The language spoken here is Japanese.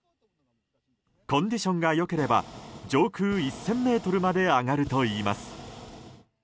コンディションが良ければ上空１０００ｍまで上がるといいます。